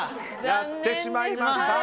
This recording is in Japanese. やってしまいました。